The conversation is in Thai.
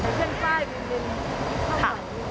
เพราะเขาหลุมถึงน้ำได้